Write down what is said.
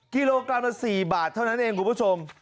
กิโลกรัมละ๔บาทเท่านั้นเองคุณผู้ชม